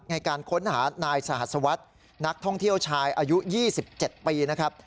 ในการค้นหานายสหัสวัสดิ์นักท่องเที่ยวชายอายุ๒๗ปีนะครับ